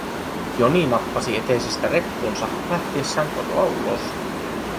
Joni nappasi eteisestä reppunsa lähtiessään kotoa ulos.